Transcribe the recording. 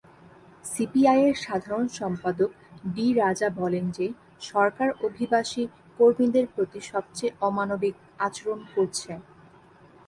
সিপিআইয়ের সাধারণ সম্পাদক ডি রাজা বলেন যে "সরকার অভিবাসী কর্মীদের প্রতি সবচেয়ে অমানবিক আচরণ করছে"।